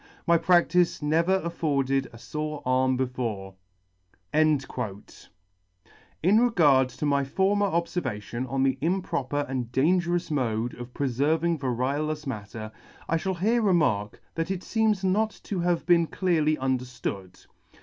My practice never afforded a fore arm before, 1 * In regard to my former obfervation on the improper and dangerous mode of preferving variolous matter, I fhall here remark, that it feems not to have been clearly underftood.